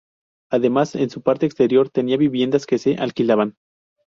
Además, en su parte exterior tenía viviendas que se alquilaban.